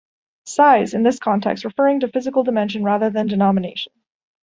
"Size" in this context referring to physical dimension rather than denomination.